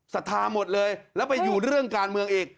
ศรัทธาหมดเลยแล้วไปอยู่เรื่องการเมืองอีก